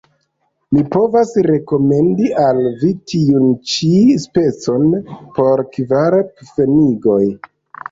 Mi povas rekomendi al vi tiun ĉi specon por kvar pfenigoj.